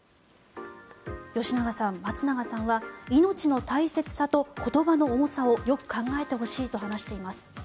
吉永さん、松永さんは命の大切さと言葉の重さをよく考えてほしいと話しています。